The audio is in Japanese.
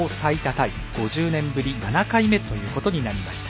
タイ５０年ぶり７回目ということになりました。